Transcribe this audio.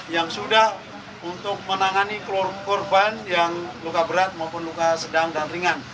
yang sudah untuk menangani korban yang luka berat maupun luka sedang dan ringan